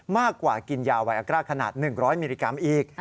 มากกว่ากินยาไวอากร่าขนาด๑๐๐มิลลิกรัมอีก